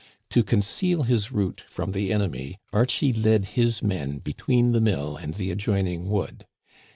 To conceal his route from the enemy, Archie led his men between the mill and the adjoining wood.